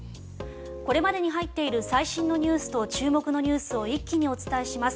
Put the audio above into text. これまでに入っている最新ニュースと注目ニュースを一気にお伝えします。